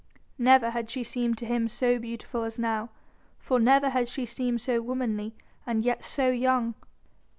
Never had she seemed to him so beautiful as now, for never had she seemed so womanly and yet so young.